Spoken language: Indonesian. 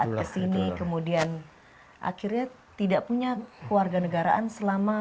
pada saat kesini kemudian akhirnya tidak punya keluarga negaraan selama